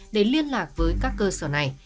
để liên lạc với các cơ sở này